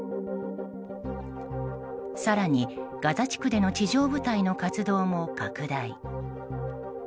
更に、ガザ地区での地上部隊の活動も拡大。